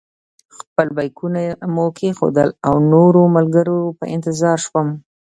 خپل بېکونه مې کېښودل او د نورو ملګرو په انتظار شوم.